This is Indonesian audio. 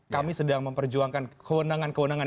kami sedang memperjuangkan kewenangan kewenangan